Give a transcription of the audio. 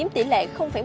tỷ lệ một